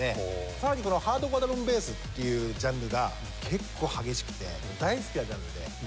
さらにこのハードコア・ドラムンベースっていうジャンルが結構激しくて大好きなジャンルで。